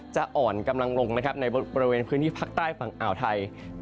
จะอ่อนกำลังลงนะครับในบริเวณพื้นที่ภาคใต้ฝั่งอ่าวไทย